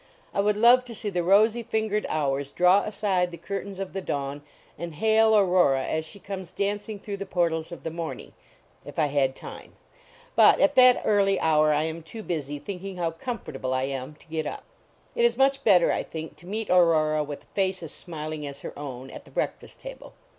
I would love to sec the THE VACATION OF MfSTAI HA fingered hours draw aside the curtains of the dawn, and hail Aurora as she comes dancing through the portals of the morning, if I had time. But at that early hour I am too busy, thinking how comfortable I am, to get up. It is much better, I think, to meet Aurora with a face as smiling as her own, at the breakfast table.